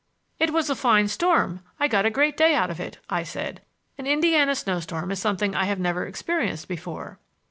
"It was a fine storm; I got a great day out of it," I said. "An Indiana snow storm is something I have never experienced before."